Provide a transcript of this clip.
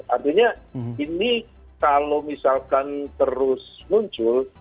artinya ini kalau misalkan terus muncul